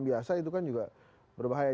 biasa itu kan juga berbahaya